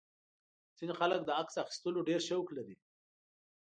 ځینې خلک د عکس اخیستلو ډېر شوق لري.